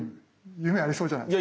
夢ありそうじゃないですか？